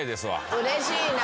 うれしいな。